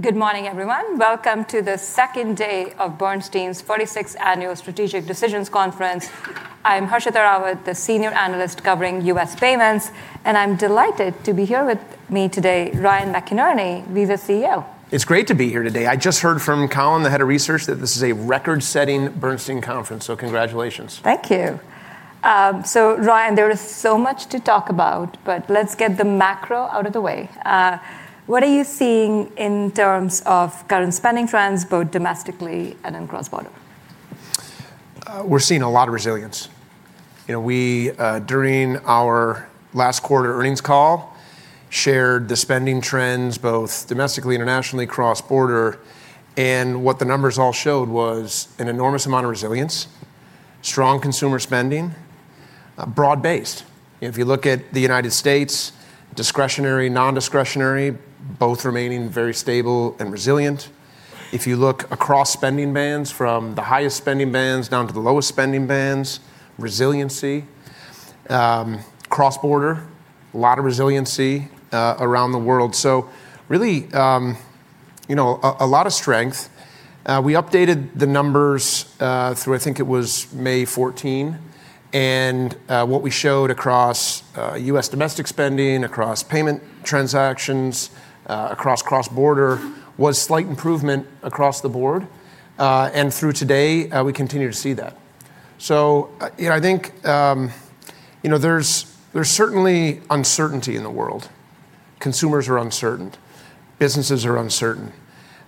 Good morning, everyone. Welcome to the second day of Bernstein 42nd Annual Strategic Decisions Conference. I'm Harshita Rawat, the senior analyst covering U.S. payments, and I'm delighted to be here with me today, Ryan McInerney, Visa CEO. It's great to be here today. I just heard from Colin, the Head of Research, that this is a record-setting Bernstein conference. Congratulations. Thank you. Ryan, there is so much to talk about, but let's get the macro out of the way. What are you seeing in terms of current spending trends, both domestically and in cross-border? We're seeing a lot of resilience. During our last quarter earnings call, shared the spending trends both domestically, internationally, cross-border, and what the numbers all showed was an enormous amount of resilience, strong consumer spending, broad-based. If you look at the United States, discretionary, non-discretionary, both remaining very stable and resilient. If you look across spending bands, from the highest spending bands down to the lowest spending bands, resiliency. Cross-border, a lot of resiliency around the world. Really, a lot of strength. We updated the numbers through, I think it was May 14, and what we showed across U.S. domestic spending, across payment transactions, across cross-border, was slight improvement across the board. Through today, we continue to see that. I think there's certainly uncertainty in the world. Consumers are uncertain. Businesses are uncertain.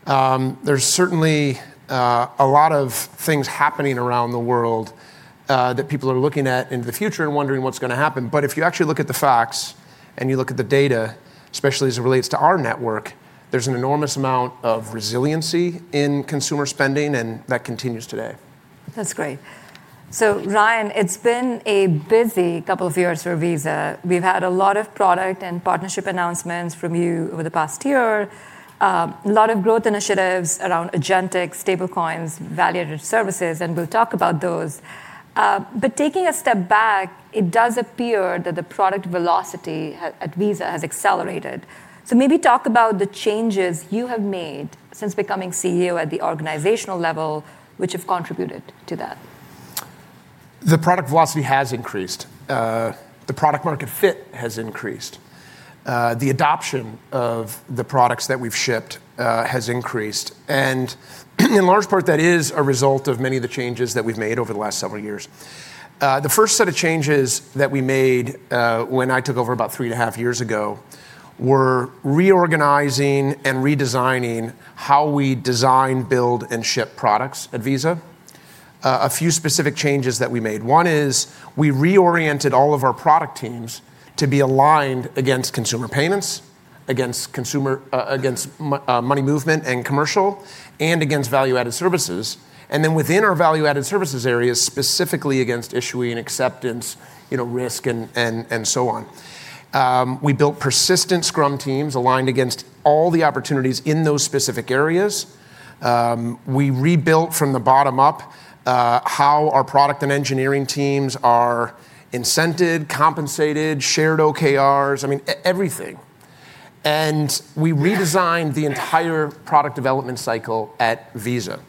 There's certainly a lot of things happening around the world that people are looking at into the future and wondering what's going to happen. If you actually look at the facts and you look at the data, especially as it relates to our network, there's an enormous amount of resiliency in consumer spending, and that continues today. That's great. Ryan, it's been a busy couple of years for Visa. We've had a lot of product and partnership announcements from you over the past year. A lot of growth initiatives around agentic stable coins, value-added services, and we'll talk about those. Taking a step back, it does appear that the product velocity at Visa has accelerated. Maybe talk about the changes you have made since becoming CEO at the organizational level, which have contributed to that. The product velocity has increased. The product-market fit has increased. The adoption of the products that we've shipped has increased, and in large part, that is a result of many of the changes that we've made over the last several years. The first set of changes that we made, when I took over about three and a half years ago, were reorganizing and redesigning how we design, build, and ship products at Visa. A few specific changes that we made. One is we reoriented all of our product teams to be aligned against consumer payments, against money movement and commercial, and against value-added services. Within our value-added services areas, specifically against issuing acceptance, risk, and so on. We built persistent scrum teams aligned against all the opportunities in those specific areas. We rebuilt from the bottom up how our product and engineering teams are incented, compensated, shared OKRs, I mean everything. We redesigned the entire product development cycle at Visa.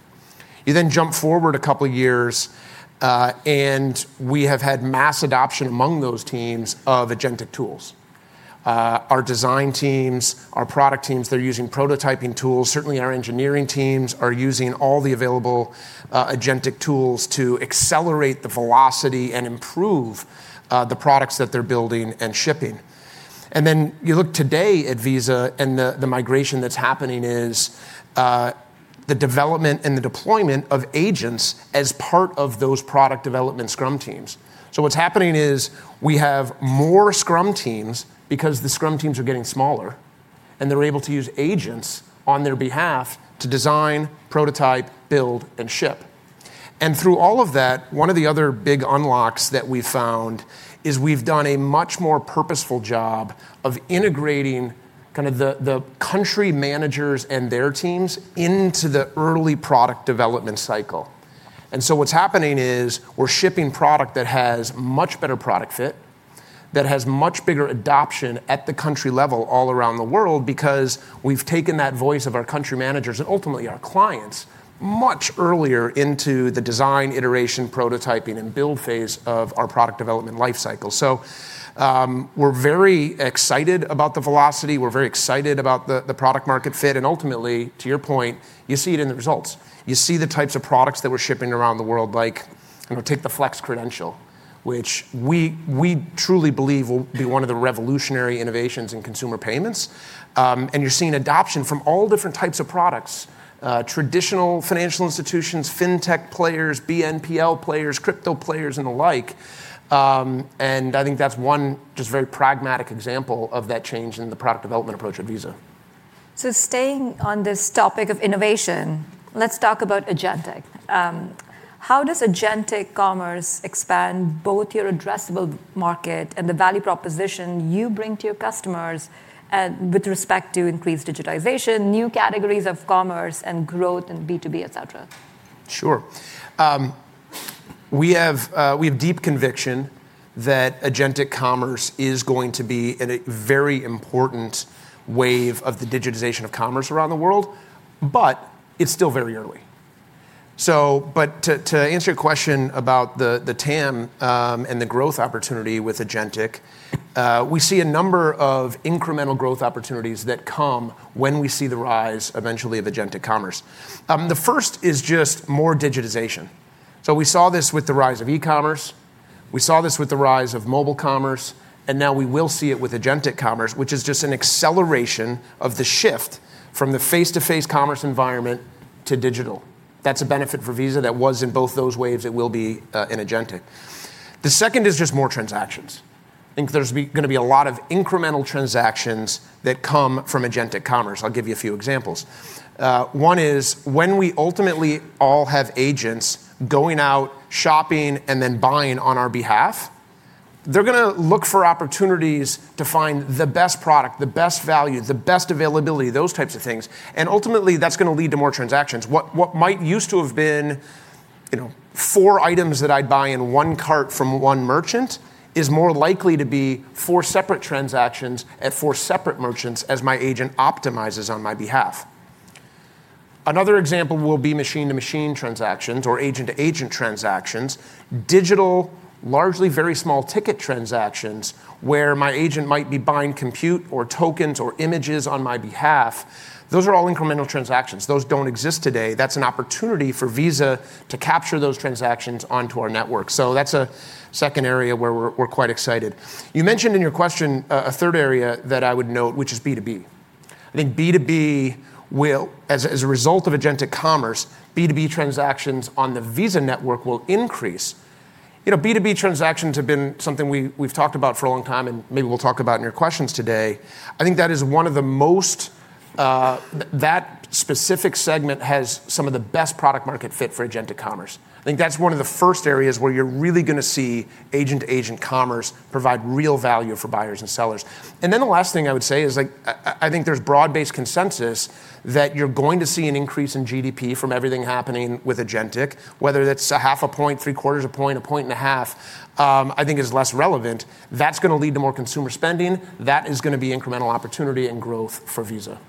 You jump forward a couple of years, we have had mass adoption among those teams of agentic tools. Our design teams, our product teams, they're using prototyping tools. Certainly, our engineering teams are using all the available agentic tools to accelerate the velocity and improve the products that they're building and shipping. You look today at Visa and the migration that's happening is the development and the deployment of agents as part of those product development scrum teams. What's happening is we have more scrum teams because the scrum teams are getting smaller, and they're able to use agents on their behalf to design, prototype, build, and ship. Through all of that, one of the other big unlocks that we've found is we've done a much more purposeful job of integrating the country managers and their teams into the early product development cycle. What's happening is we're shipping product that has much better product fit, that has much bigger adoption at the country level all around the world because we've taken that voice of our country managers and ultimately our clients much earlier into the design, iteration, prototyping, and build phase of our product development life cycle. We're very excited about the velocity. We're very excited about the product market fit, and ultimately, to your point, you see it in the results. You see the types of products that we're shipping around the world like, take the Visa Flexible Credential, which we truly believe will be one of the revolutionary innovations in consumer payments. You're seeing adoption from all different types of products, traditional financial institutions, FinTech players, BNPL players, crypto players, and the like. I think that's one just very pragmatic example of that change in the product development approach at Visa. Staying on this topic of innovation, let's talk about agentic. How does agentic commerce expand both your addressable market and the value proposition you bring to your customers with respect to increased digitization, new categories of commerce, and growth in B2B, et cetera? Sure. We have deep conviction that agentic commerce is going to be a very important wave of the digitization of commerce around the world, but it's still very early. To answer your question about the TAM and the growth opportunity with agentic, we see a number of incremental growth opportunities that come when we see the rise, eventually, of agentic commerce. The first is just more digitization. We saw this with the rise of e-commerce, we saw this with the rise of mobile commerce, and now we will see it with agentic commerce, which is just an acceleration of the shift from the face-to-face commerce environment to digital. That's a benefit for Visa that was in both those waves, it will be in agentic. The second is just more transactions. I think there's going to be a lot of incremental transactions that come from agentic commerce. I'll give you a few examples. One is when we ultimately all have agents going out shopping and then buying on our behalf, they're going to look for opportunities to find the best product, the best value, the best availability, those types of things. Ultimately, that's going to lead to more transactions. What might used to have been four items that I'd buy in one cart from one merchant is more likely to be four separate transactions at four separate merchants as my agent optimizes on my behalf. Another example will be machine-to-machine transactions or agent-to-agent transactions, digital, largely very small ticket transactions where my agent might be buying compute or tokens or images on my behalf. Those are all incremental transactions. Those don't exist today. That's an opportunity for Visa to capture those transactions onto our network. That's a second area where we're quite excited. You mentioned in your question a third area that I would note, which is B2B. I think B2B will, as a result of agentic commerce, B2B transactions on the Visa network will increase. B2B transactions have been something we've talked about for a long time, and maybe we'll talk about in your questions today. That specific segment has some of the best product-market fit for agentic commerce. I think that's one of the first areas where you're really going to see agent-to-agent commerce provide real value for buyers and sellers. The last thing I would say is I think there's broad-based consensus that you're going to see an increase in GDP from everything happening with agentic, whether that's a half a point, three-quarters a point, a point and a half, I think is less relevant. That's going to lead to more consumer spending. That is going to be incremental opportunity and growth for Visa.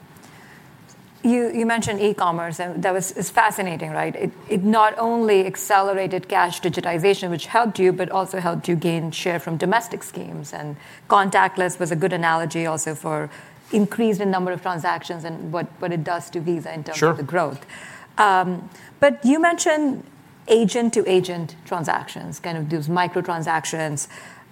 You mentioned e-commerce, It's fascinating, right? It not only accelerated cash digitization, which helped you, but also helped you gain share from domestic schemes and contactless was a good analogy also for increase in number of transactions and what it does to Visa. Sure. Of the growth. You mentioned agent-to-agent transactions, kind of those micro transactions.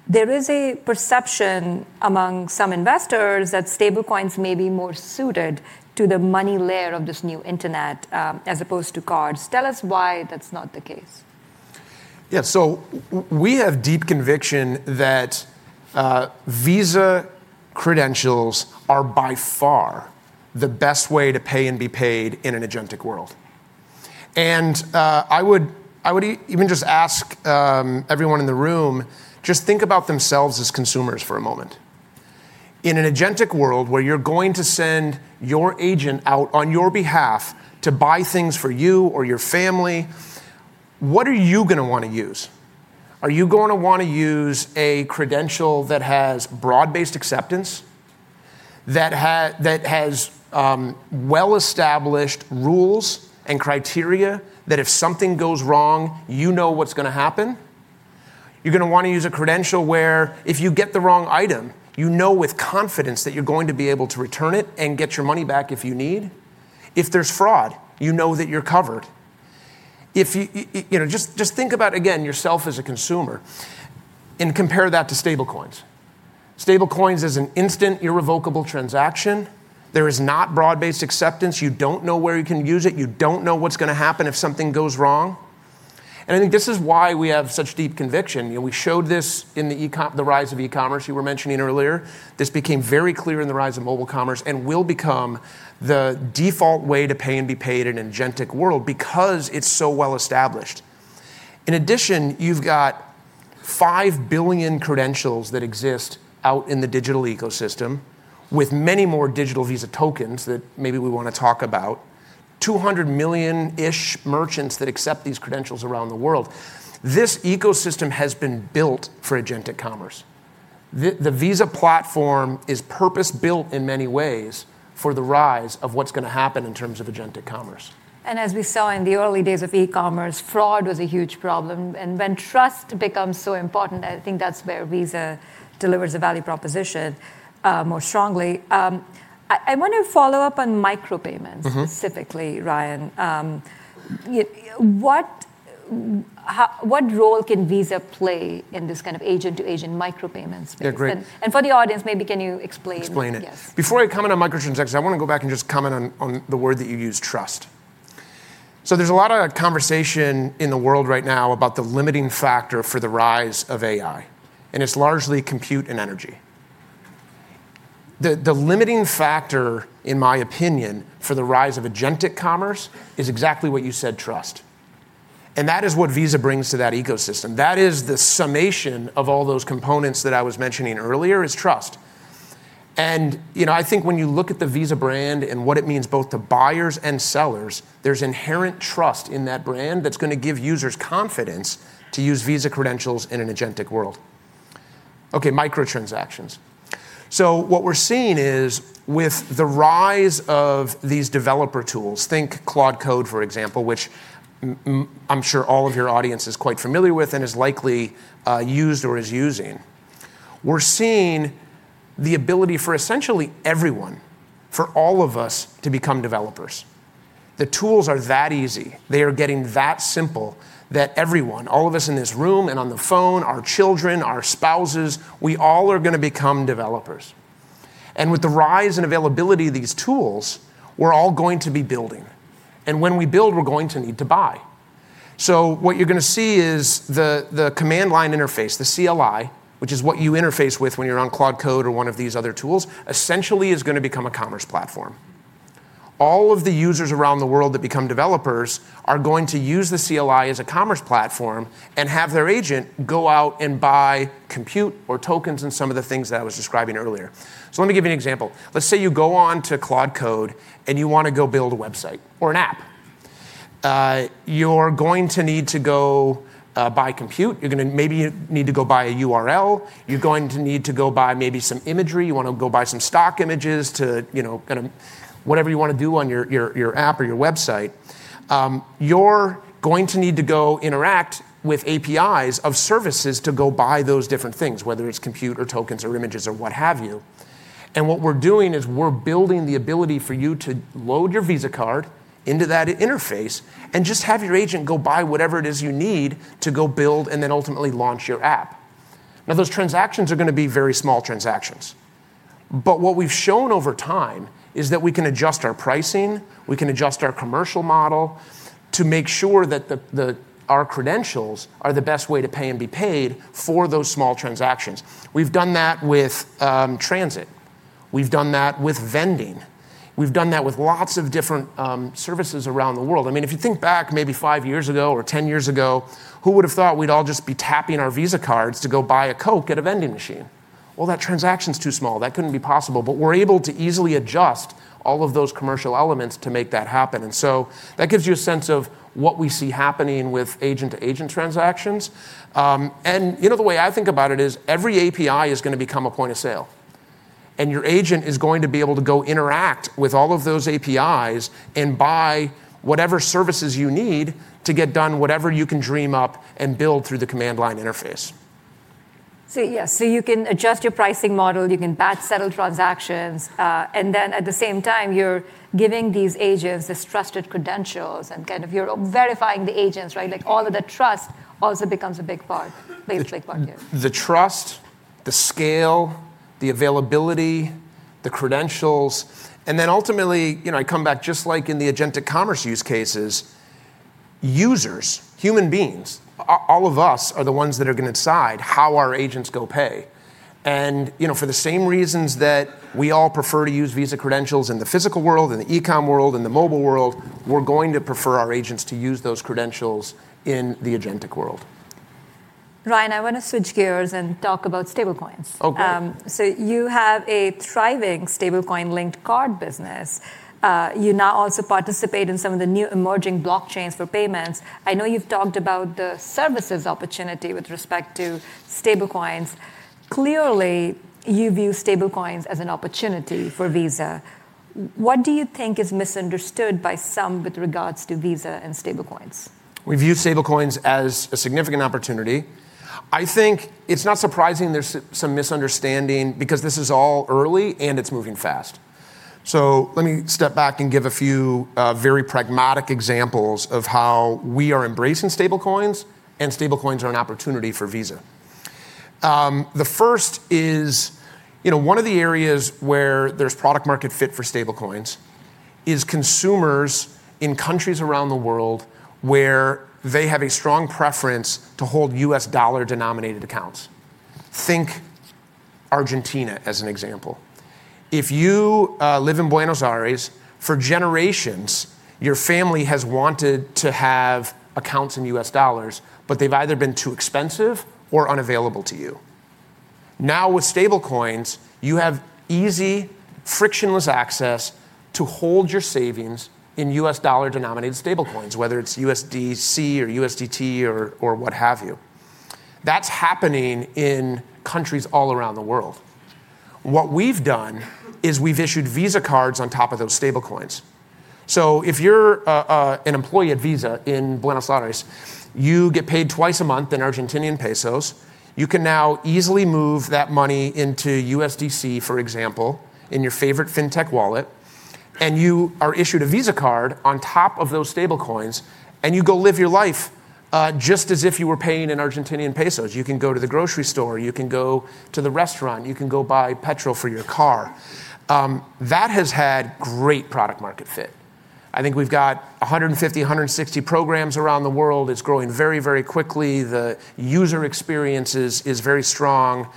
There is a perception among some investors that stable coins may be more suited to the money layer of this new internet, as opposed to cards. Tell us why that's not the case. Yeah. We have deep conviction that Visa credentials are by far the best way to pay and be paid in an agentic world. I would even just ask everyone in the room, just think about themselves as consumers for a moment. In an agentic world where you're going to send your agent out on your behalf to buy things for you or your family, what are you going to want to use? Are you going to want to use a credential that has broad-based acceptance, that has well-established rules and criteria that if something goes wrong, you know what's going to happen? You're going to want to use a credential where if you get the wrong item, you know with confidence that you're going to be able to return it and get your money back if you need. If there's fraud, you know that you're covered. Just think about, again, yourself as a consumer and compare that to stablecoins. Stablecoins is an instant, irrevocable transaction. There is not broad-based acceptance. You don't know where you can use it. You don't know what's going to happen if something goes wrong. I think this is why we have such deep conviction. We showed this in the rise of e-commerce you were mentioning earlier. This became very clear in the rise of mobile commerce and will become the default way to pay and be paid in an agentic world because it's so well-established. In addition, you've got 5 billion credentials that exist out in the digital ecosystem with many more digital Visa tokens that maybe we want to talk about, 200 million-ish merchants that accept these credentials around the world. This ecosystem has been built for agentic commerce. The Visa platform is purpose-built in many ways for the rise of what's going to happen in terms of agentic commerce. As we saw in the early days of e-commerce, fraud was a huge problem. When trust becomes so important, I think that's where Visa delivers a value proposition more strongly. I want to follow up on micropayments. Specifically, Ryan. What role can Visa play in this kind of agent-to-agent micro payments space? Yeah, great. For the audience, maybe can you explain? Explain it. Yes. Before I comment on micro transactions, I want to go back and just comment on the word that you used, trust. There's a lot of conversation in the world right now about the limiting factor for the rise of AI, and it's largely compute and energy. The limiting factor, in my opinion, for the rise of agentic commerce is exactly what you said, trust. That is what Visa brings to that ecosystem. That is the summation of all those components that I was mentioning earlier, is trust. And I think when you look at the Visa brand and what it means both to buyers and sellers, there's inherent trust in that brand that's going to give users confidence to use Visa credentials in an agentic world. Okay, micro-transactions. What we're seeing is with the rise of these developer tools, think Claude Code, for example, which I'm sure all of your audience is quite familiar with and has likely used or is using. We're seeing the ability for essentially everyone, for all of us, to become developers. The tools are that easy. They are getting that simple that everyone, all of us in this room and on the phone, our children, our spouses, we all are going to become developers. With the rise in availability of these tools, we're all going to be building, and when we build, we're going to need to buy. What you're going to see is the command line interface, the CLI, which is what you interface with when you're on Claude Code or one of these other tools, essentially is going to become a commerce platform. All of the users around the world that become developers are going to use the CLI as a commerce platform and have their agent go out and buy compute or tokens and some of the things that I was describing earlier. Let me give you an example. Let's say you go on to Claude Code and you want to go build a website or an app. You're going to need to go buy compute. You're going to maybe need to go buy a URL. You're going to need to go buy maybe some imagery. You want to go buy some stock images to kind of whatever you want to do on your app or your website. You're going to need to go interact with APIs of services to go buy those different things, whether it's compute or tokens or images or what have you. What we're doing is we're building the ability for you to load your Visa card into that interface and just have your agent go buy whatever it is you need to go build and then ultimately launch your app. Those transactions are going to be very small transactions. What we've shown over time is that we can adjust our pricing, we can adjust our commercial model to make sure that our credentials are the best way to pay and be paid for those small transactions. We've done that with transit. We've done that with vending. We've done that with lots of different services around the world. If you think back maybe five years ago or 10 years ago, who would have thought we'd all just be tapping our Visa cards to go buy a Coke at a vending machine? That transaction's too small. That couldn't be possible, but we're able to easily adjust all of those commercial elements to make that happen. That gives you a sense of what we see happening with agent-to-agent transactions. The way I think about it is every API is going to become a point of sale, and your agent is going to be able to go interact with all of those APIs and buy whatever services you need to get done whatever you can dream up and build through the command line interface. Yeah, so you can adjust your pricing model, you can batch settle transactions, and then at the same time you're giving these agents these trusted credentials and kind of you're verifying the agents, right? All of the trust also becomes a big part. The trust, the scale, the availability, the credentials, and then ultimately, I come back, just like in the agentic commerce use cases, users, human beings, all of us are the ones that are going to decide how our agents go pay. For the same reasons that we all prefer to use Visa credentials in the physical world, in the e-com world, in the mobile world, we're going to prefer our agents to use those credentials in the agentic world. Ryan, I want to switch gears and talk about stable coins. Okay. You have a thriving stable coin-linked card business. You now also participate in some of the new emerging blockchains for payments. I know you've talked about the services opportunity with respect to stable coins. Clearly, you view stable coins as an opportunity for Visa. What do you think is misunderstood by some with regards to Visa and stable coins? We view stable coins as a significant opportunity. I think it's not surprising there's some misunderstanding because this is all early, and it's moving fast. Let me step back and give a few very pragmatic examples of how we are embracing stable coins and stable coins are an opportunity for Visa. The first is, one of the areas where there's product market fit for stable coins is consumers in countries around the world where they have a strong preference to hold U.S. dollar-denominated accounts. Think Argentina as an example. If you live in Buenos Aires, for generations, your family has wanted to have accounts in U.S. dollars, but they've either been too expensive or unavailable to you. Now with stable coins, you have easy, frictionless access to hold your savings in U.S. dollar-denominated stable coins, whether it's USDC or USDT or what have you. That's happening in countries all around the world. What we've done is we've issued Visa cards on top of those stable coins. If you're an employee at Visa in Buenos Aires, you get paid twice a month in Argentinian pesos. You can now easily move that money into USDC, for example, in your favorite FinTech wallet, and you are issued a Visa card on top of those stable coins, and you go live your life, just as if you were paying in Argentinian pesos. You can go to the grocery store, you can go to the restaurant, you can go buy petrol for your car. That has had great product market fit. I think we've got 150, 160 programs around the world. It's growing very, very quickly. The user experience is very strong.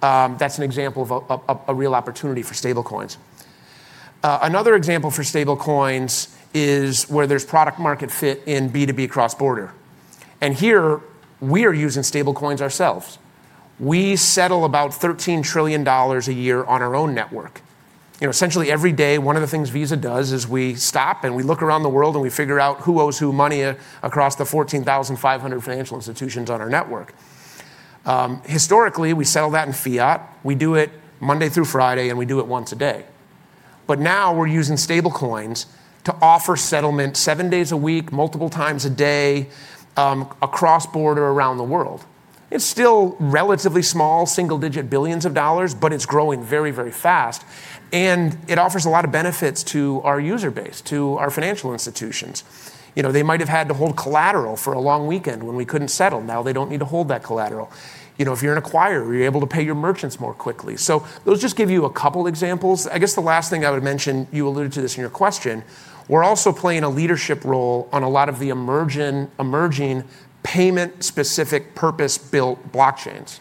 That's an example of a real opportunity for stablecoins. Another example for stablecoins is where there's product market fit in B2B cross-border. Here we are using stablecoins ourselves. We settle about $13 trillion a year on our own network. Essentially every day, one of the things Visa does is we stop and we look around the world, and we figure out who owes who money across the 14,500 financial institutions on our network. Historically, we settle that in fiat. We do it Monday through Friday, and we do it once a day. Now we're using stablecoins to offer settlement seven days a week, multiple times a day, across border, around the world. It's still relatively small, single-digit billions of dollars, but it's growing very fast, and it offers a lot of benefits to our user base, to our financial institutions. They might have had to hold collateral for a long weekend when we couldn't settle. Now they don't need to hold that collateral. If you're an acquirer, you're able to pay your merchants more quickly. Those just give you a couple examples. I guess the last thing I would mention, you alluded to this in your question, we're also playing a leadership role on a lot of the emerging payment-specific purpose-built blockchains,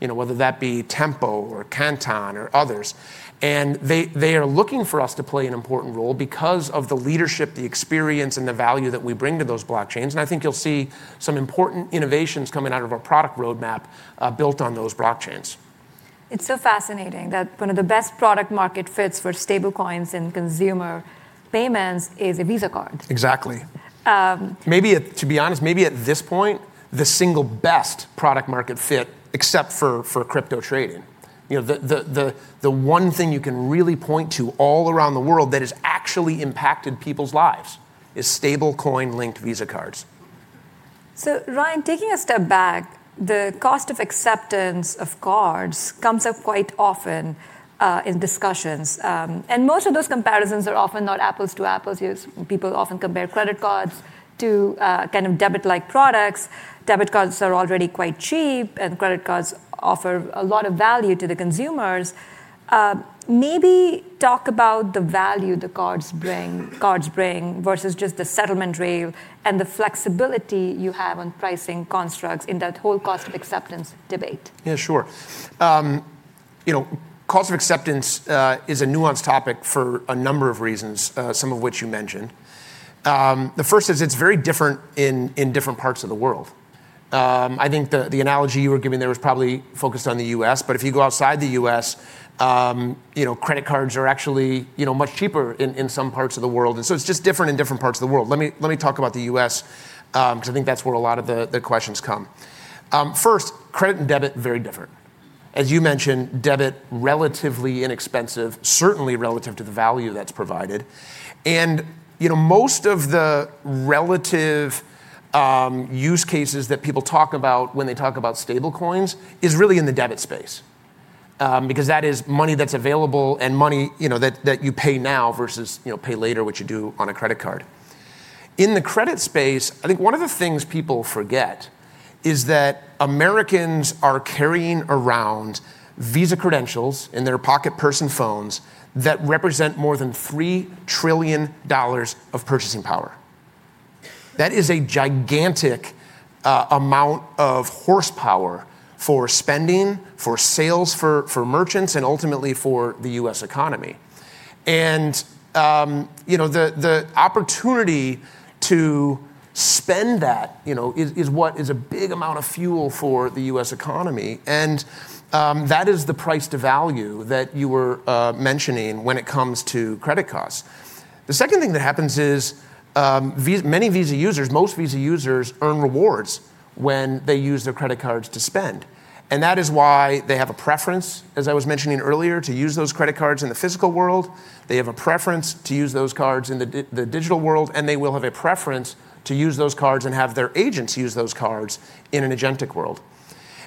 whether that be Tinkoff or Canton or others. They are looking for us to play an important role because of the leadership, the experience, and the value that we bring to those blockchains, and I think you'll see some important innovations coming out of our product roadmap, built on those blockchains. It's so fascinating that one of the best product-market fits for stablecoins in consumer payments is a Visa card. Exactly. To be honest, maybe at this point, the single best product-market fit except for crypto trading. The one thing you can really point to all around the world that has actually impacted people's lives is stablecoin-linked Visa cards. Ryan, taking a step back, the cost of acceptance of cards comes up quite often in discussions. Most of those comparisons are often not apples-to-apples. People often compare credit cards to debit-like products. Debit cards are already quite cheap, and credit cards offer a lot of value to the consumers. Maybe talk about the value the cards bring versus just the settlement rail and the flexibility you have on pricing constructs in that whole cost of acceptance debate. Yeah, sure. Cost of acceptance is a nuanced topic for a number of reasons, some of which you mentioned. The first is it's very different in different parts of the world. I think the analogy you were giving there was probably focused on the U.S., but if you go outside the U.S., credit cards are actually much cheaper in some parts of the world. It's just different in different parts of the world. Let me talk about the U.S., because I think that's where a lot of the questions come. First, credit and debit, very different. As you mentioned, debit, relatively inexpensive, certainly relative to the value that's provided. Most of the relative use cases that people talk about when they talk about stablecoins is really in the debit space, because that is money that's available and money that you pay now versus pay later, which you do on a credit card. In the credit space, I think one of the things people forget is that Americans are carrying around Visa credentials in their pocket person phones that represent more than $3 trillion of purchasing power. That is a gigantic amount of horsepower for spending, for sales, for merchants, and ultimately for the U.S. economy. The opportunity to spend that is what is a big amount of fuel for the U.S. economy, and that is the price to value that you were mentioning when it comes to credit costs. The second thing that happens is many Visa users, most Visa users earn rewards when they use their credit cards to spend. That is why they have a preference, as I was mentioning earlier, to use those credit cards in the physical world, they have a preference to use those cards in the digital world, and they will have a preference to use those cards and have their agents use those cards in an agentic world.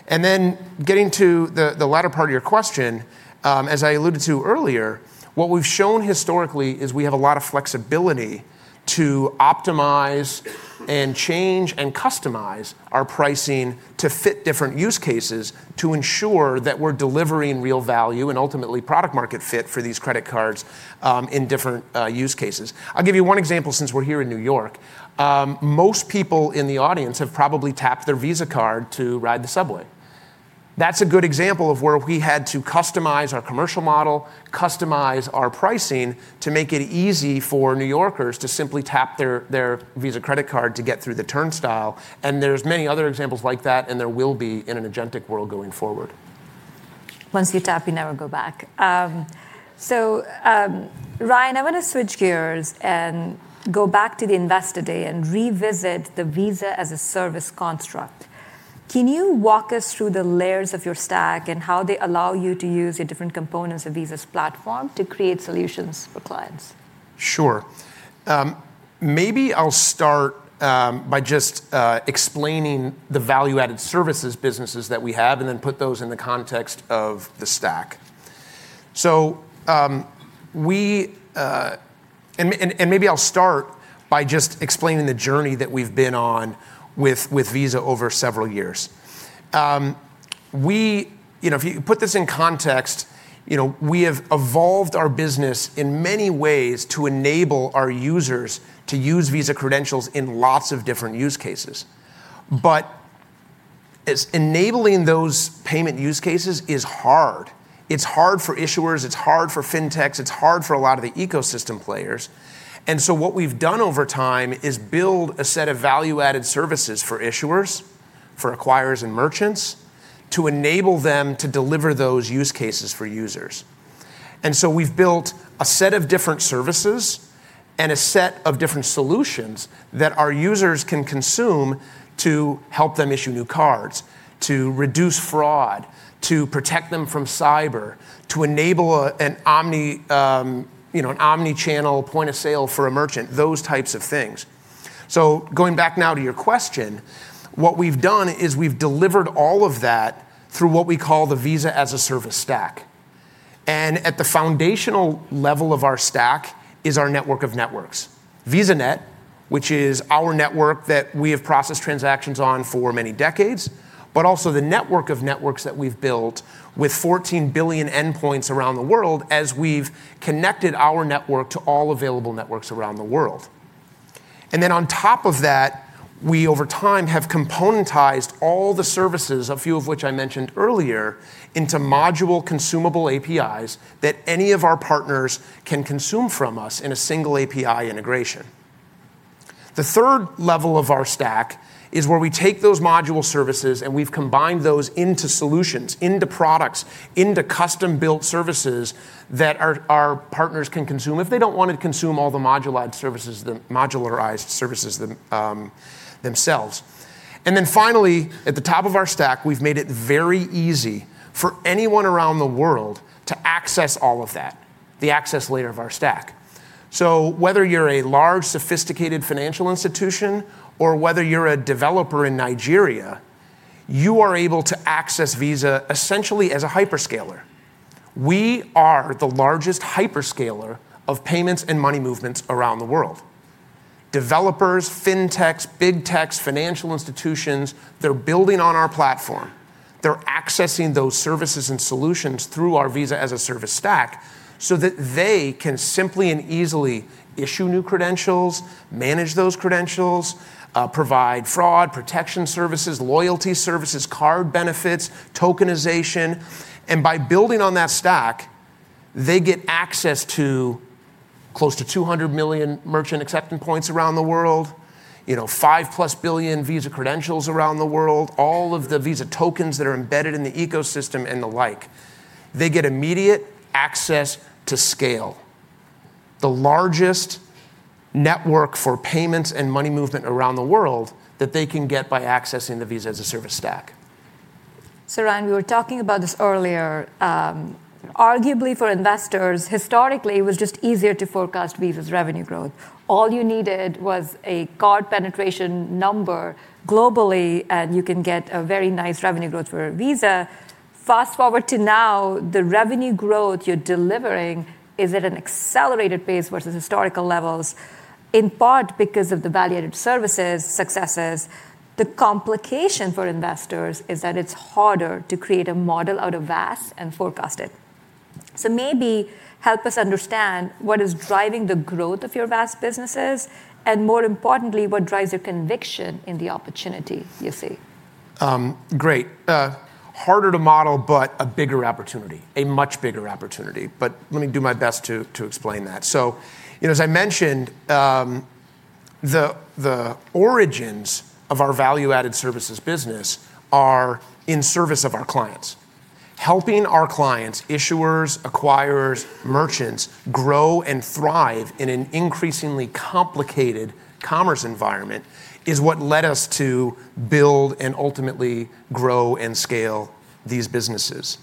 Then getting to the latter part of your question, as I alluded to earlier, what we've shown historically is we have a lot of flexibility to optimize and change and customize our pricing to fit different use cases to ensure that we're delivering real value and ultimately product market fit for these credit cards, in different use cases. I'll give you one example since we're here in New York. Most people in the audience have probably tapped their Visa card to ride the subway. That's a good example of where we had to customize our commercial model, customize our pricing to make it easy for New Yorkers to simply tap their Visa credit card to get through the turnstile, and there's many other examples like that, and there will be in an agentic world going forward. Once you tap, you never go back. Ryan, I want to switch gears and go back to the Investor Day and revisit the Visa as a service construct. Can you walk us through the layers of your stack and how they allow you to use your different components of Visa's platform to create solutions for clients? Sure. Maybe I'll start by just explaining the value-added services businesses that we have and then put those in the context of the stack. Maybe I'll start by just explaining the journey that we've been on with Visa over several years. If you put this in context, we have evolved our business in many ways to enable our users to use Visa credentials in lots of different use cases. Enabling those payment use cases is hard. It's hard for issuers, it's hard for fintechs, it's hard for a lot of the ecosystem players. What we've done over time is build a set of value-added services for issuers, for acquirers and merchants, to enable them to deliver those use cases for users. We've built a set of different services and a set of different solutions that our users can consume to help them issue new cards, to reduce fraud, to protect them from cyber, to enable an omni-channel point of sale for a merchant, those types of things. Going back now to your question, what we've done is we've delivered all of that through what we call the Visa as a service stack. At the foundational level of our stack is our network of networks. VisaNet, which is our network that we have processed transactions on for many decades, but also the network of networks that we've built with 14 billion endpoints around the world as we've connected our network to all available networks around the world. Then on top of that, we, over time, have componentized all the services, a few of which I mentioned earlier, into module consumable APIs that any of our partners can consume from us in a single API integration. The third level of our stack is where we take those module services, and we've combined those into solutions, into products, into custom-built services that our partners can consume if they don't want to consume all the modularized services themselves. Then finally, at the top of our stack, we've made it very easy for anyone around the world to access all of that, the access layer of our stack. Whether you're a large, sophisticated financial institution or whether you're a developer in Nigeria, you are able to access Visa essentially as a hyperscaler. We are the largest hyperscaler of payments and money movements around the world. Developers, FinTechs, BigTechs, financial institutions, they're building on our platform. They're accessing those services and solutions through our Visa as a service stack so that they can simply and easily issue new credentials, manage those credentials, provide fraud protection services, loyalty services, card benefits, tokenization. By building on that stack, they get access to close to 200 million merchant accepting points around the world, five-plus billion Visa credentials around the world, all of the Visa tokens that are embedded in the ecosystem and the like. They get immediate access to scale. The largest network for payments and money movement around the world that they can get by accessing the Visa as a service stack. So, Ryan, we were talking about this earlier. Arguably for investors, historically, it was just easier to forecast Visa's revenue growth. All you needed was a card penetration number globally, and you can get a very nice revenue growth for Visa. Fast-forward to now, the revenue growth you're delivering is at an accelerated pace versus historical levels, in part because of the value-added services successes. The complication for investors is that it's harder to create a model out of VAS and forecast it. Maybe help us understand what is driving the growth of your VAS businesses, and more importantly, what drives your conviction in the opportunity you see. Great. Harder to model, but a bigger opportunity, a much bigger opportunity. Let me do my best to explain that. As I mentioned, the origins of our value-added services business are in service of our clients. Helping our clients, issuers, acquirers, merchants, grow and thrive in an increasingly complicated commerce environment is what led us to build and ultimately grow and scale these businesses.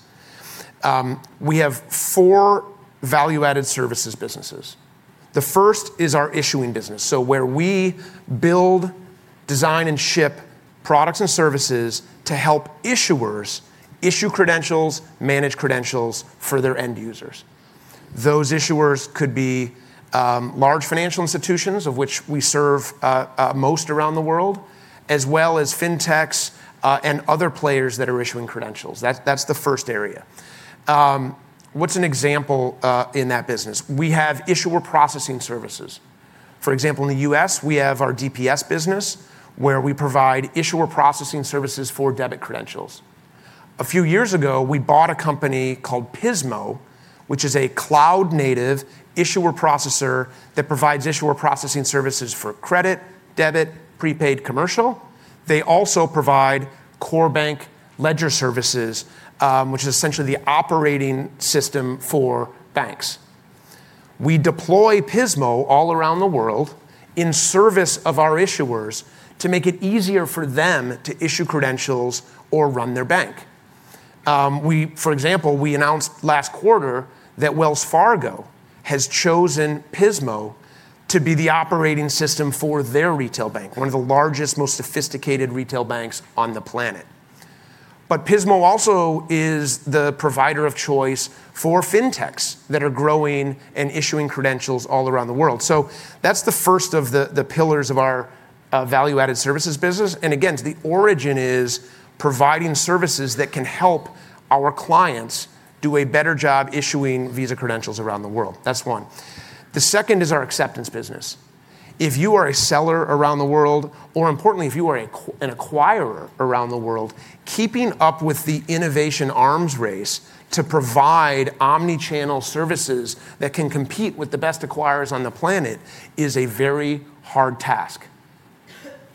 We have four value-added services businesses. The first is our issuing business, so where we build, design, and ship products and services to help issuers issue credentials, manage credentials for their end users. Those issuers could be large financial institutions, of which we serve most around the world, as well as FinTechs, and other players that are issuing credentials. That's the first area. What's an example in that business? We have issuer processing services. For example, in the U.S., we have our DPS business where we provide issuer processing services for debit credentials. A few years ago, we bought a company called Pismo, which is a cloud-native issuer processor that provides issuer processing services for credit, debit, prepaid commercial. They also provide core bank ledger services, which is essentially the operating system for banks. We deploy Pismo all around the world in service of our issuers to make it easier for them to issue credentials or run their bank. For example, we announced last quarter that Wells Fargo has chosen Pismo to be the operating system for their retail bank, one of the largest, most sophisticated retail banks on the planet. Pismo also is the provider of choice for FinTechs that are growing and issuing credentials all around the world. That's the first of the pillars of our value-added services business. Again, the origin is providing services that can help our clients do a better job issuing Visa credentials around the world. That's one. The second is our acceptance business. If you are a seller around the world, or importantly, if you are an acquirer around the world, keeping up with the innovation arms race to provide omni-channel services that can compete with the best acquirers on the planet is a very hard task.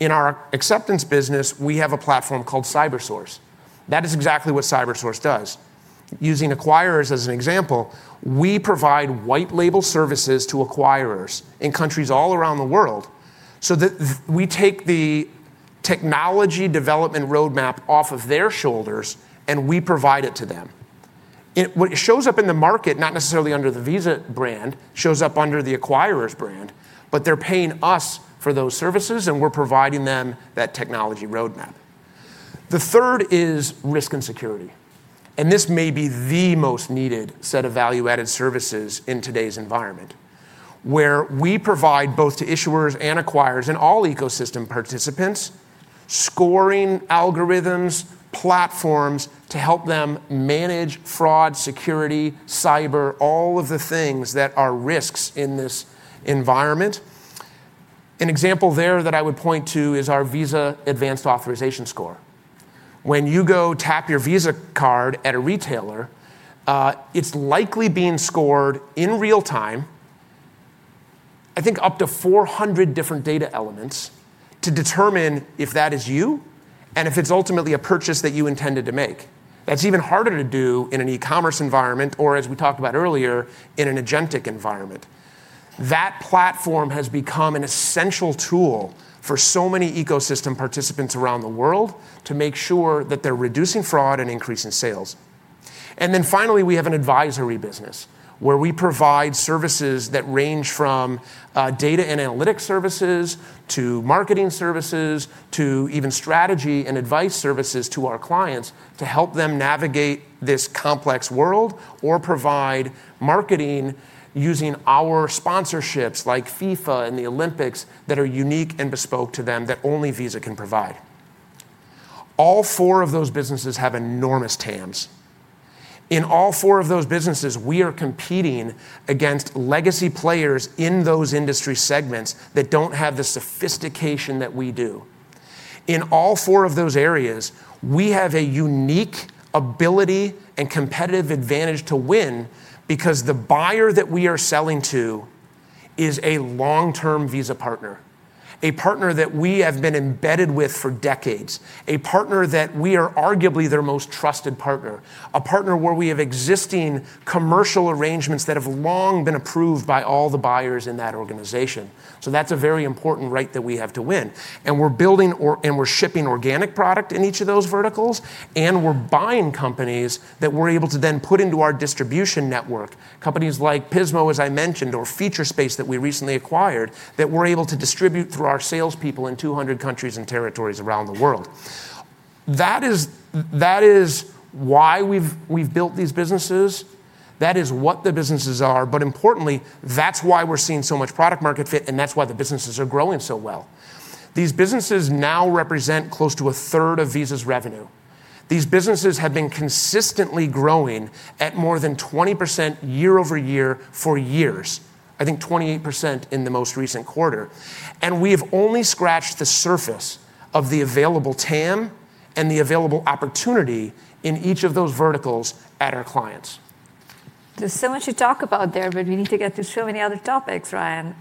In our acceptance business, we have a platform called CyberSource. That is exactly what CyberSource does. Using acquirers as an example, we provide white label services to acquirers in countries all around the world, so that we take the technology development roadmap off of their shoulders, and we provide it to them. It shows up in the market, not necessarily under the Visa brand, shows up under the acquirers brand, but they're paying us for those services, and we're providing them that technology roadmap. The third is risk and security, and this may be the most needed set of value-added services in today's environment, where we provide both to issuers and acquirers and all ecosystem participants, scoring algorithms, platforms to help them manage fraud, security, cyber, all of the things that are risks in this environment. An example there that I would point to is our Visa Advanced Authorization score. When you go tap your Visa card at a retailer, it's likely being scored in real-time, I think up to 400 different data elements to determine if that is you and if it's ultimately a purchase that you intended to make. That's even harder to do in an e-commerce environment or, as we talked about earlier, in an agentic environment. That platform has become an essential tool for so many ecosystem participants around the world to make sure that they're reducing fraud and increasing sales. Finally, we have an advisory business where we provide services that range from data and analytics services to marketing services, to even strategy and advice services to our clients to help them navigate this complex world or provide marketing using our sponsorships like FIFA and the Olympics that are unique and bespoke to them that only Visa can provide. All four of those businesses have enormous TAMs. In all four of those businesses, we are competing against legacy players in those industry segments that don't have the sophistication that we do. In all four of those areas, we have a unique ability and competitive advantage to win because the buyer that we are selling to is a long-term Visa partner, a partner that we have been embedded with for decades, a partner that we are arguably their most trusted partner, a partner where we have existing commercial arrangements that have long been approved by all the buyers in that organization. That's a very important right that we have to win. We're shipping organic product in each of those verticals, and we're buying companies that we're able to then put into our distribution network, companies like Pismo, as I mentioned, or Featurespace that we recently acquired, that we're able to distribute through our salespeople in 200 countries and territories around the world. That is why we've built these businesses. That is what the businesses are. Importantly, that's why we're seeing so much product market fit, and that's why the businesses are growing so well. These businesses now represent close to a third of Visa's revenue. These businesses have been consistently growing at more than 20% year-over-year for years, I think 28% in the most recent quarter. We have only scratched the surface of the available TAM and the available opportunity in each of those verticals at our clients. There's so much to talk about there, but we need to get to so many other topics, Ryan.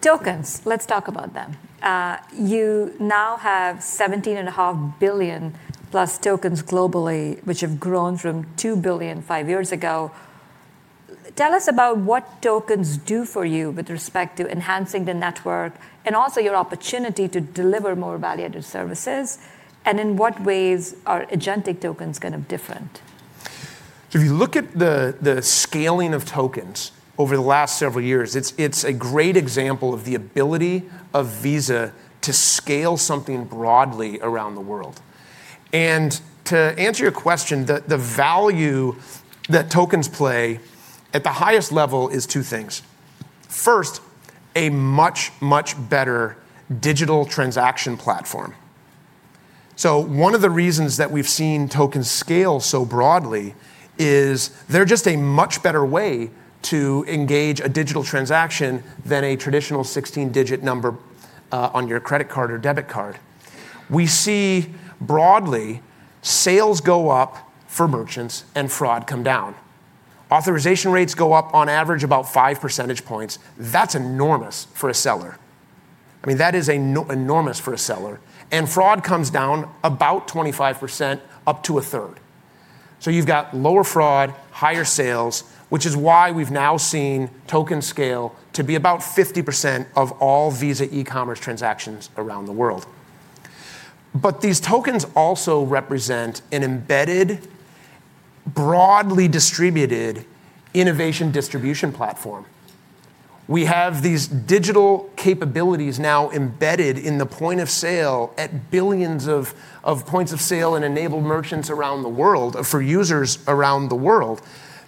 Tokens, let's talk about them. You now have 17.5 billion plus tokens globally, which have grown from two billion five years ago. Tell us about what tokens do for you with respect to enhancing the network and also your opportunity to deliver more value-added services, and in what ways are agentic tokens kind of different? If you look at the scaling of tokens over the last several years, it's a great example of the ability of Visa to scale something broadly around the world. To answer your question, the value that tokens play at the highest level is two things. First, a much, much better digital transaction platform. One of the reasons that we've seen tokens scale so broadly is they're just a much better way to engage a digital transaction than a traditional 16-digit number on your credit card or debit card. We see broadly sales go up for merchants and fraud come down. Authorization rates go up on average about five percentage points. That's enormous for a seller. That is enormous for a seller. Fraud comes down about 25% up to a third. You've got lower fraud, higher sales, which is why we've now seen token scale to be about 50% of all Visa e-commerce transactions around the world. These tokens also represent an embedded, broadly distributed innovation distribution platform. We have these digital capabilities now embedded in the point of sale at billions of points of sale and enabled merchants around the world for users around the world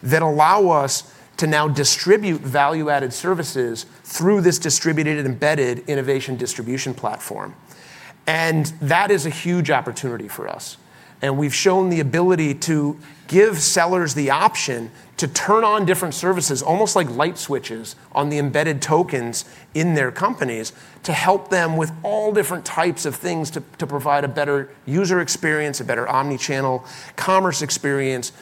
that allow us to now distribute value-added services through this distributed embedded innovation distribution platform. That is a huge opportunity for us. We've shown the ability to give sellers the option to turn on different services, almost like light switches on the embedded tokens in their companies, to help them with all different types of things to provide a better user experience, a better omnichannel commerce experience.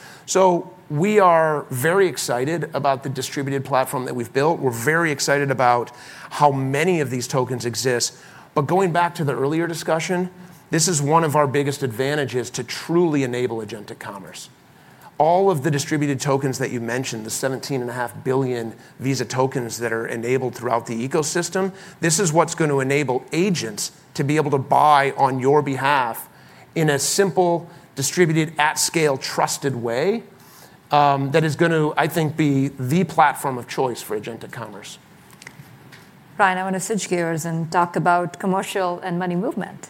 We are very excited about the distributed platform that we've built. We're very excited about how many of these tokens exist. Going back to the earlier discussion, this is one of our biggest advantages to truly enable agentic commerce. All of the distributed tokens that you mentioned, the 17.5 billion Visa tokens that are enabled throughout the ecosystem, this is what's going to enable agents to be able to buy on your behalf in a simple, distributed, at-scale, trusted way, that is going to, I think, be the platform of choice for agentic commerce. Ryan, I want to switch gears and talk about Commercial and Money Movement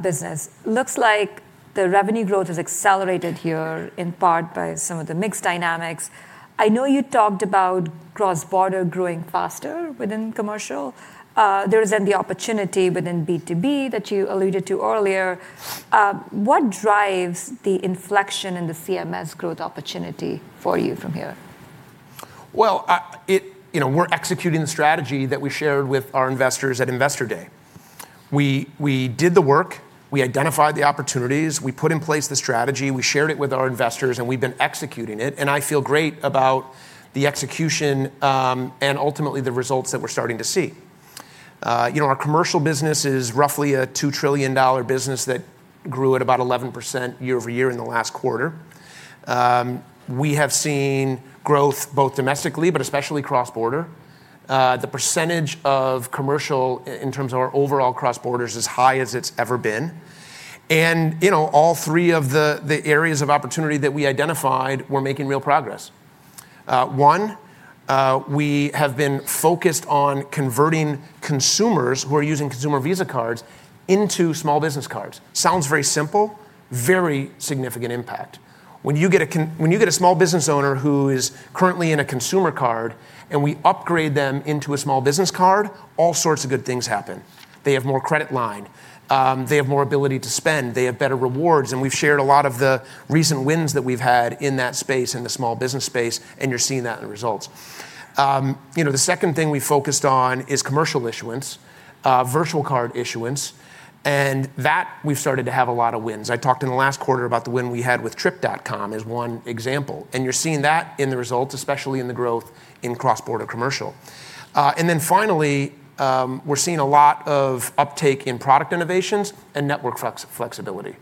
business. Looks like the revenue growth has accelerated here, in part by some of the mix dynamics. I know you talked about cross-border growing faster within commercial. There is then the opportunity within B2B that you alluded to earlier. What drives the inflection in the CMS growth opportunity for you from here? Well, we're executing the strategy that we shared with our investors at Investor Day. We did the work. We identified the opportunities. We put in place the strategy. We shared it with our investors, and we've been executing it. I feel great about the execution, and ultimately, the results that we're starting to see. Our commercial business is roughly a $2 trillion business that grew at about 11% year-over-year in the last quarter. We have seen growth both domestically, but especially cross-border. The percentage of commercial in terms of our overall cross-border is as high as it's ever been. All three of the areas of opportunity that we identified were making real progress. One, we have been focused on converting consumers who are using consumer Visa cards into small business cards. Sounds very simple, very significant impact. When you get a small business owner who is currently in a consumer card and we upgrade them into a small business card, all sorts of good things happen. They have more credit line. They have more ability to spend. They have better rewards. We've shared a lot of the recent wins that we've had in that space, in the small business space, and you're seeing that in the results. The second thing we focused on is commercial issuance, virtual card issuance, and that we've started to have a lot of wins. I talked in the last quarter about the win we had with Trip.com as one example, and you're seeing that in the results, especially in the growth in cross-border commercial. Then finally, we're seeing a lot of uptake in product innovations and network flexibility.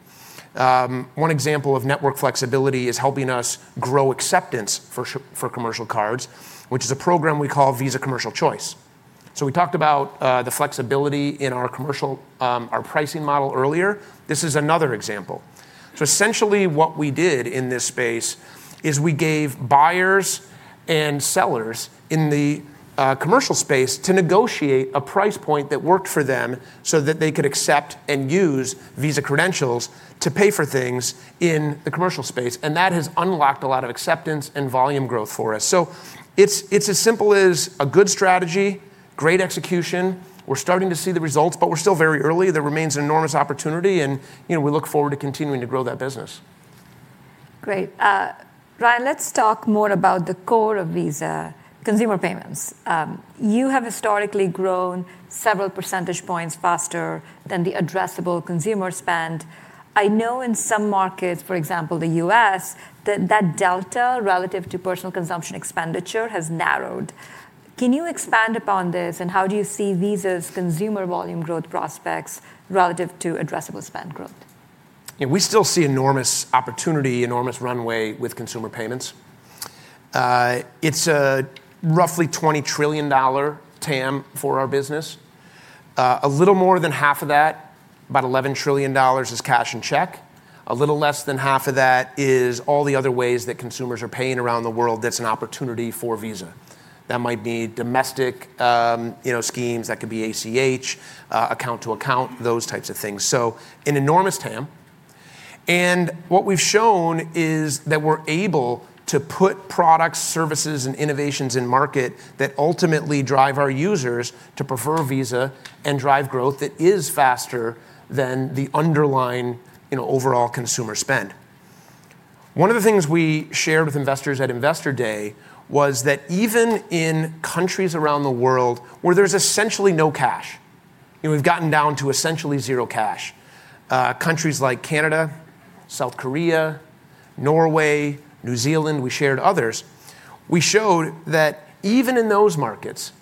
One example of network flexibility is helping us grow acceptance for commercial cards, which is a program we call Visa Commercial Choice. We talked about the flexibility in our pricing model earlier. This is another example. Essentially what we did in this space is we gave buyers and sellers in the commercial space to negotiate a price point that worked for them so that they could accept and use Visa credentials to pay for things in the commercial space, and that has unlocked a lot of acceptance and volume growth for us. It's as simple as a good strategy, great execution. We're starting to see the results, but we're still very early. There remains an enormous opportunity, and we look forward to continuing to grow that business. Great. Ryan, let's talk more about the core of Visa consumer payments. You have historically grown several percentage points faster than the addressable consumer spend. I know in some markets, for example, the U.S., that delta relative to personal consumption expenditure has narrowed. Can you expand upon this, and how do you see Visa's consumer volume growth prospects relative to addressable spend growth? Yeah, we still see enormous opportunity, enormous runway with consumer payments. It's a roughly $20 trillion TAM for our business. A little more than half of that, about $11 trillion, is cash and check. A little less than half of that is all the other ways that consumers are paying around the world that's an opportunity for Visa. That might be domestic schemes, that could be ACH, account to account, those types of things. An enormous TAM. What we've shown is that we're able to put products, services, and innovations in market that ultimately drive our users to prefer Visa and drive growth that is faster than the underlying overall consumer spend. One of the things we shared with investors at Investor Day was that even in countries around the world where there's essentially no cash, we've gotten down to essentially zero cash. Countries like Canada, South Korea, Norway, New Zealand, we shared others. We showed that even in those markets,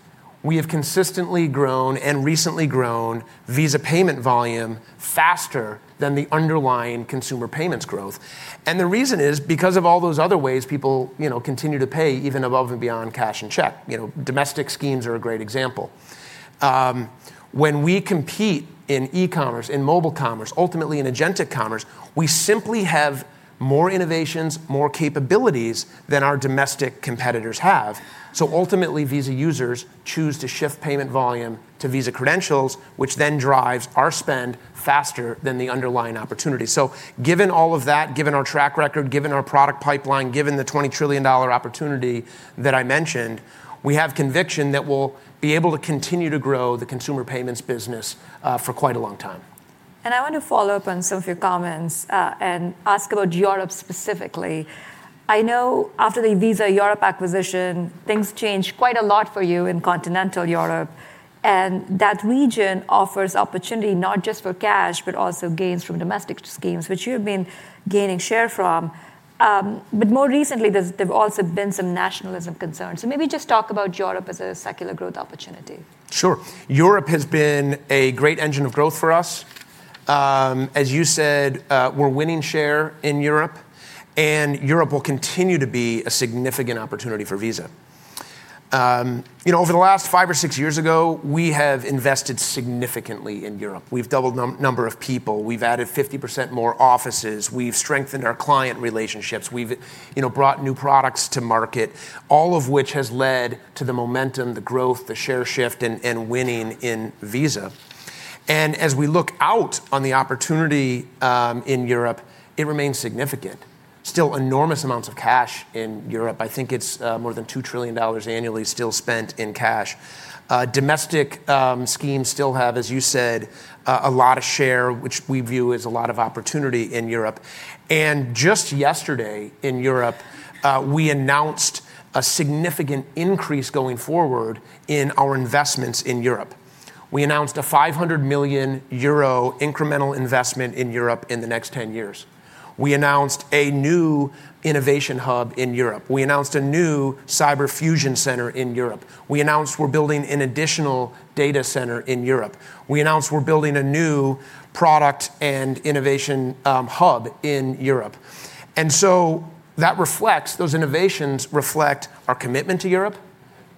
we have consistently grown and recently grown Visa payment volume faster than the underlying consumer payments growth. The reason is because of all those other ways people continue to pay even above and beyond cash and check. Domestic schemes are a great example. When we compete in e-commerce, in mobile commerce, ultimately in agentic commerce, we simply have more innovations, more capabilities than our domestic competitors have. Ultimately, Visa users choose to shift payment volume to Visa credentials, which then drives our spend faster than the underlying opportunity. Given all of that, given our track record, given our product pipeline, given the $20 trillion opportunity that I mentioned, we have conviction that we'll be able to continue to grow the consumer payments business for quite a long time. I want to follow up on some of your comments, and ask about Europe specifically. I know after the Visa Europe acquisition, things changed quite a lot for you in continental Europe, and that region offers opportunity not just for cash, but also gains from domestic schemes, which you've been gaining share from. More recently, there've also been some nationalism concerns. Maybe just talk about Europe as a secular growth opportunity. Sure. Europe has been a great engine of growth for us. As you said, we're winning share in Europe. Europe will continue to be a significant opportunity for Visa. Over the last five or six years ago, we have invested significantly in Europe. We've doubled the number of people, we've added 50% more offices, we've strengthened our client relationships, we've brought new products to market, all of which has led to the momentum, the growth, the share shift, and winning in Visa. As we look out on the opportunity in Europe, it remains significant. Still enormous amounts of cash in Europe. I think it's more than $2 trillion annually still spent in cash. Domestic schemes still have, as you said, a lot of share, which we view as a lot of opportunity in Europe. Just yesterday, in Europe, we announced a significant increase going forward in our investments in Europe. We announced a 500 million euro incremental investment in Europe in the next 10 years. We announced a new innovation hub in Europe. We announced a new cyber fusion center in Europe. We announced we're building an additional data center in Europe. We announced we're building a new product and innovation hub in Europe. That reflects, those innovations reflect our commitment to Europe,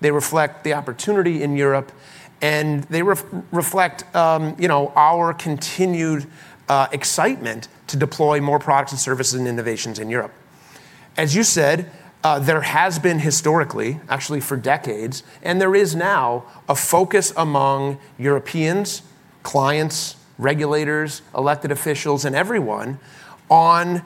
they reflect the opportunity in Europe, and they reflect our continued excitement to deploy more products and services and innovations in Europe. As you said, there has been historically, actually for decades, and there is now, a focus among Europeans, clients, regulators, elected officials, and everyone, on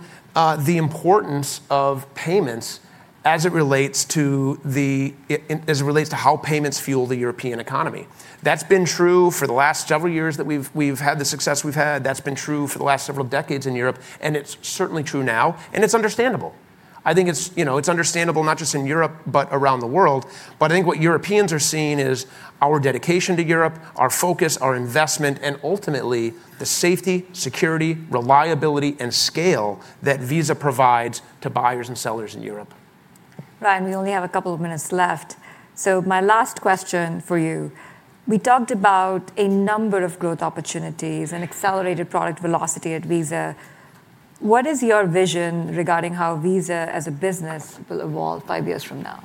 the importance of payments as it relates to how payments fuel the European economy. That's been true for the last several years that we've had the success we've had, that's been true for the last several decades in Europe, and it's certainly true now, and it's understandable. I think it's understandable, not just in Europe, but around the world. I think what Europeans are seeing is our dedication to Europe, our focus, our investment, and ultimately, the safety, security, reliability, and scale that Visa provides to buyers and sellers in Europe. Ryan, we only have a couple of minutes left, my last question for you. We talked about a number of growth opportunities and accelerated product velocity at Visa. What is your vision regarding how Visa as a business will evolve five years from now?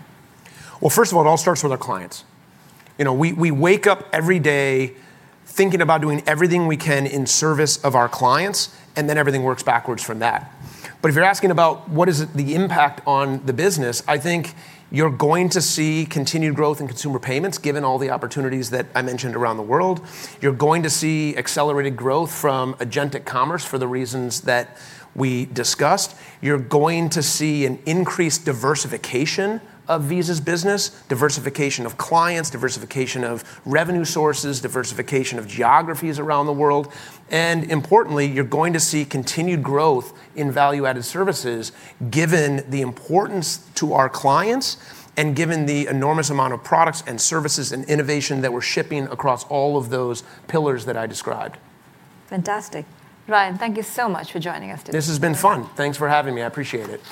First of all, it all starts with our clients. We wake up every day thinking about doing everything we can in service of our clients. Everything works backwards from that. If you're asking about what is the impact on the business, I think you're going to see continued growth in consumer payments, given all the opportunities that I mentioned around the world. You're going to see accelerated growth from agentic commerce for the reasons that we discussed. You're going to see an increased diversification of Visa's business, diversification of clients, diversification of revenue sources, diversification of geographies around the world. Importantly, you're going to see continued growth in value-added services, given the importance to our clients, and given the enormous amount of products and services and innovation that we're shipping across all of those pillars that I described. Fantastic. Ryan, thank you so much for joining us today. This has been fun. Thanks for having me. I appreciate it.